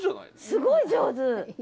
すごい上手！